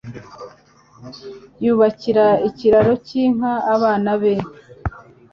yubakira ikiraro cy'inka abana be